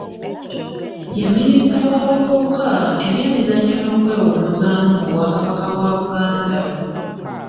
Ye minisita wa bavubuka, ebyemizannyo n'okwewummuzaamu mu Bwakabaka bwa Buganda.